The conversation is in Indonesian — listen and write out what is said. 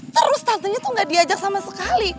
terus tantenya tuh gak diajak sama sekali